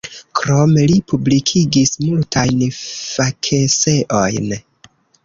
Krome li publikigis multajn fakeseojn.